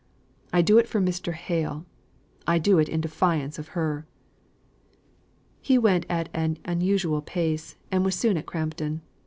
I do it for Mr. Hale; I do it in defiance of her." He went at an unusual pace, and was soon at Crampton.